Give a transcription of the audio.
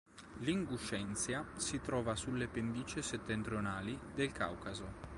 L'Inguscezia si trova sulle pendici settentrionali del Caucaso.